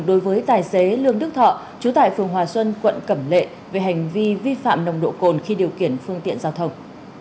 đối với tài xế lương đức thọ chú tại phường hòa xuân quận cẩm lệ về hành vi vi phạm nồng độ cồn khi điều khiển phương tiện giao thông